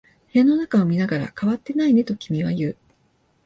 部屋の中を見ながら、変わっていないねと君は言う。